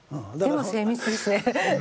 でも精密ですね。